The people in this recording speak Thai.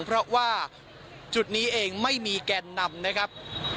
เพราะว่าจุดนี้เองไม่มีแกนนำนะครับ